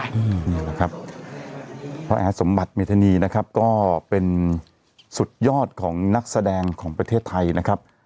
นี่แหละครับพระอาสมบัติเมธานีนะครับก็เป็นสุดยอดของนักแสดงของประเทศไทยนะครับ